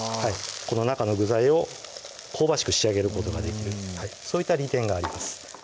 この中の具材を香ばしく仕上げることができるそういった利点があります